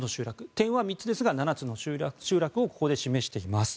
点は３つですが７つの集落をここで示しています。